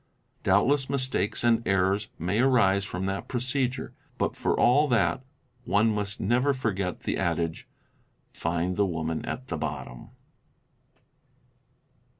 Doubtless inistakes and errors may arise from that procedure, but for all that one must never forget the adage, '' Find the woman at the bottom."